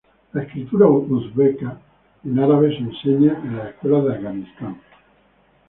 La escritura uzbeka en árabe se enseña en las escuelas de Afganistán.